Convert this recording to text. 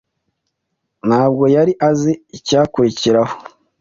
ntabwo yari azi icyakurikiraho.